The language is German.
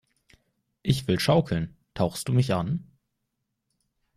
Ich will schaukeln! Tauchst du mich an?